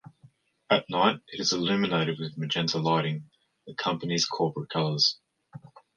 At night, it is illuminated with magenta lighting, the company's corporate colors.